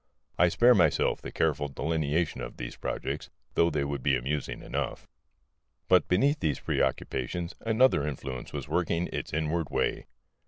I spare myself the careful delineation of these projects, though they would be amusing enough. But beneath these preoccupations another influence was working its inward way.